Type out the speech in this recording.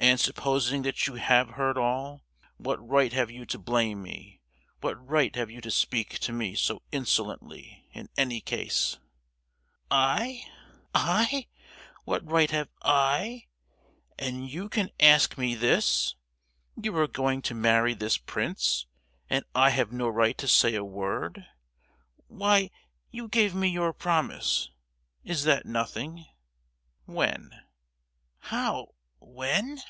"And supposing that you have heard all: what right have you to blame me? What right have you to speak to me so insolently, in any case?" "I!—I? what right have I? and you can ask me this? You are going to marry this prince, and I have no right to say a word! Why, you gave me your promise—is that nothing?" "When?" "How, when?"